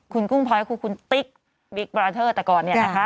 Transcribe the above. คุณกุ้งพลอยคือคุณติ๊กบิ๊กบราเทอร์แต่ก่อนเนี่ยนะคะ